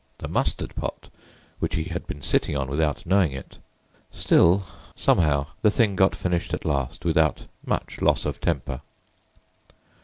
the mustard pot, which he had been sitting on without knowing it—still, somehow, the thing got finished at last, without much loss of temper.